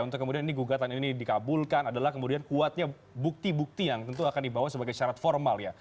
untuk kemudian ini gugatan ini dikabulkan adalah kemudian kuatnya bukti bukti yang tentu akan dibawa sebagai syarat formal ya